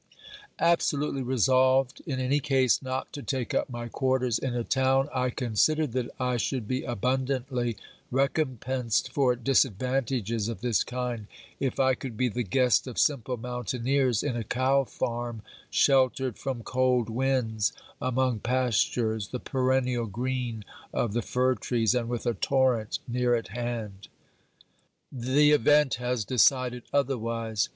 Absolutely resolved in any case not to take up my quarters in a town, I considered that I should be abundantly recompensed for disadvantages of this kind if I could be the guest of simple mountaineers in a cow farm sheltered from cold winds, among pastures, the perennial green of the fir trees, and with a torrent near at hand. The event has decided otherwise.